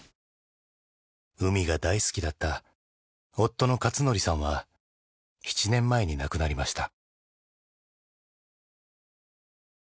海が大好きだった夫の勝則さんは７年前に亡くなりました。